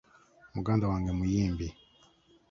Muganda wange muyimbi.